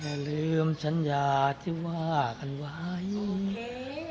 อย่าลืมฉันยาที่ว่ากันไว้โอเค